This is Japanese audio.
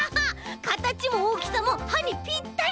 かたちもおおきさもはにぴったり！